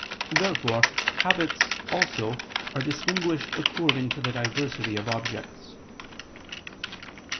Therefore habits also are distinguished according to the diversity of objects.